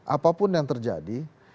apapun yang terjadi